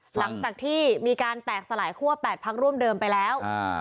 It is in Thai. หลังจากที่มีการแตกสลายคั่วแปดพักร่วมเดิมไปแล้วอ่า